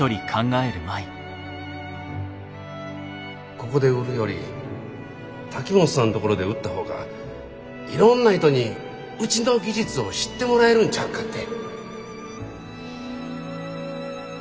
ここで売るより瀧本さんのところで売った方がいろんな人にうちの技術を知ってもらえるんちゃうかって。